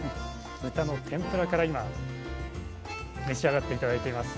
豚の天ぷらから今召し上がって頂いています。